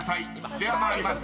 ［では参ります。